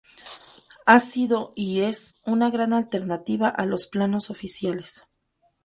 Ha sido, y es, una gran alternativa a los planos oficiales.